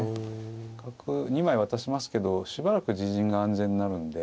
角２枚渡しますけどしばらく自陣が安全になるんで。